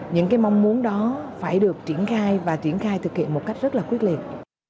những cái mong muốn đó phải được triển khai và triển khai thực hiện một cách rất là quyết liệt